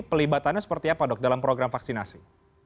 pelibatannya seperti apa dok dalam program vaksinasi